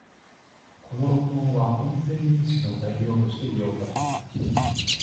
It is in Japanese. この録音は、音声認識の材料として利用されます